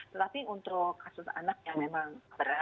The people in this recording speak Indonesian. tetapi untuk kasus anak yang memang berat